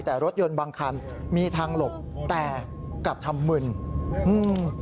แต่รถยนต์บางคันมีทางหลบแต่กลับทำมึนอืม